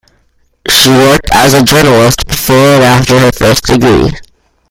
She worked as a journalist before and after her first degree.